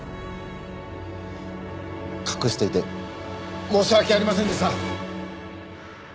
隠していて申し訳ありませんでした！